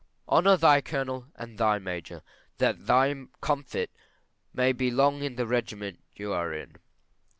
Honour thy Colonel and thy Major, that thy comfort may be long in the regiment you are in.